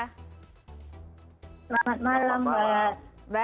selamat malam mbak